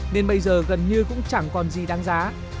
nên bây giờ gần như cũng chẳng còn gì đáng giá